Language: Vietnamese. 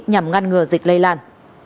của dịch lây lan